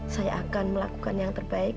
saya akan melakukan yang terbaik